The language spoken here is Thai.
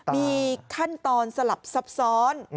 มีขั้นตอนสลับซับซ้อน